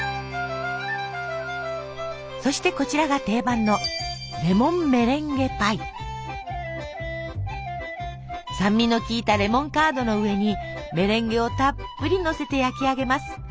そしてこちらが定番の酸味のきいたレモンカードの上にメレンゲをたっぷりのせて焼き上げます。